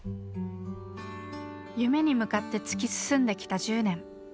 夢に向かって突き進んできた１０年。